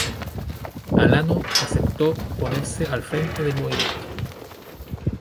Alano aceptó ponerse al frente del movimiento.